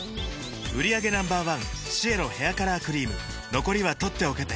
売上№１シエロヘアカラークリーム残りは取っておけて